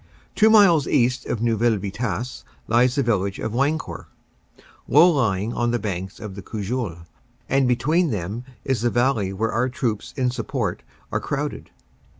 Two miles east of Neuville Vitasse lies the village of Wancourt, low lying on the banks of the Cojeul. and between them is the valley where our troops in support are crowded.